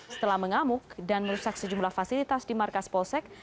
setelah mengamuk dan merusak sejumlah fasilitas di markas polsek